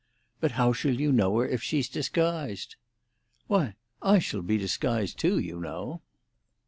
"But how shall you know her if she's disguised?" "Why, I shall be disguised too, you know."